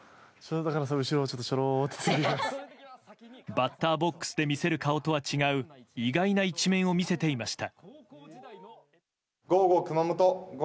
バッターボックスで見せる顔とは違う意外な一面を見せていました。